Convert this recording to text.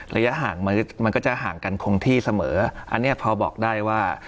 ระยะห่างมันก็จะห่างกันคงที่เสมออันนี้พอบอกได้ว่า